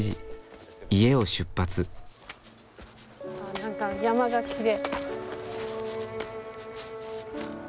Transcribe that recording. なんか山がきれい。